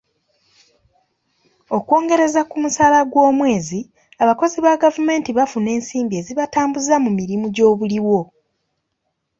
Okwongereza ku musaala gw'omwezi, abakozi ba gavumenti bafuna ensimbi ezibatambuza mu mirimu gy'obuliwo.